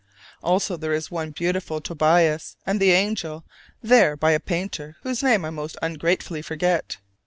Also there is one beautiful Tobias and the Angel there by a painter whose name I most ungratefully forget.